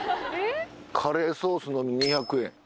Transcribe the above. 「カレーソースのみ２００円」。